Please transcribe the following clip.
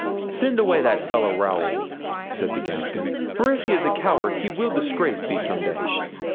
"Send away that fellow, Raoul," said the Gascon; "for if he's a coward he will disgrace thee some day."